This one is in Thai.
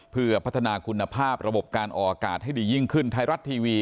เพื่อพัฒนาคุณภาพระบบการออกอากาศให้ดียิ่งขึ้นไทยรัฐทีวี